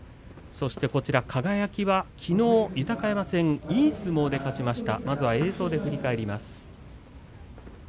輝は、きのう豊山戦いい相撲で勝ちました。